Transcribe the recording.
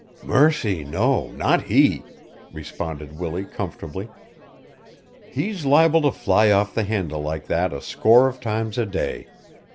"Mercy, no! Not he!" responded Willie comfortably. "He's liable to fly off the handle like that a score of times a day.